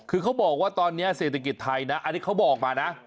คือเขาบอกว่าตอนนี้เศรษฐกิจไทยนะอันนี้เขาบอกมานะ